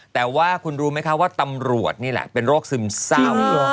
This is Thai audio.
แต่ว่าคุณรู้ไหมคะว่าตำรวจนี่แหละเป็นโรคซึมเศร้า